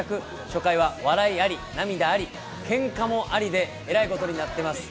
初回は笑いあり、涙あり、けんかもありでえらいことになっています。